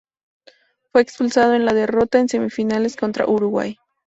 Fue expulsado en la derrota en semifinales contra Uruguay.